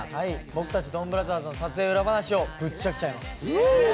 僕たち、ドンブラザーズの撮影裏話をぶっちゃけちゃいます！